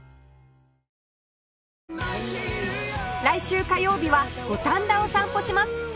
来週火曜日は五反田を散歩します